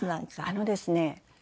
あのですね